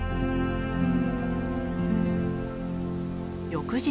翌日。